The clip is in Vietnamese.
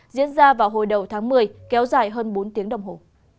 diễn ra vào hồi đầu tháng một mươi kéo dài hơn bốn tiếng đồng hồ